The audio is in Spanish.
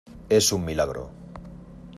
es un milagro.